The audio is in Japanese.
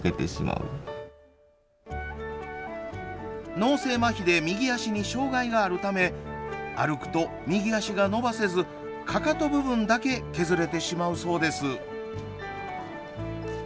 脳性まひで右足に障害があるため歩くと右足が伸ばせずかかと部分だけ削れてしまうそうです。